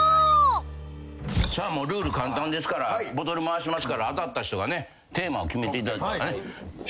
もうルール簡単ですからボトル回しますから当たった人がねテーマを決めて。